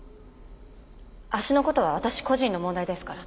足のことは私個人の問題ですから。